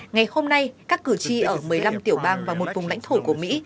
ngày hôm nay các cử tri ở một mươi năm tiểu bang và một vùng lãnh thổ của mỹ